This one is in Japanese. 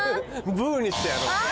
ブにしてやろう。